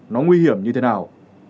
nó nguy hiểm như thế nào